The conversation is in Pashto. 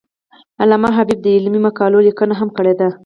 علامه حبیبي د علمي مقالو لیکنه هم کړې ده.